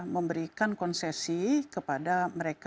memberikan konsesi kepada belanda